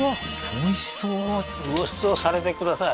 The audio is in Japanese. おいしそうごちそうされてください